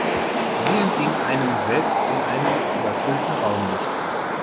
Sie entging einem selbst in einem überfüllten Raum nicht.